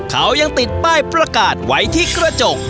เขายังติดป้ายประกาศไว้ที่กระจก